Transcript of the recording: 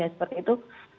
ya seperti itu